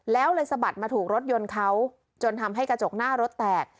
แล้วเลยสะบัดมาถูกรถยนต์เขาจนทำให้กระจกหน้ารถแตก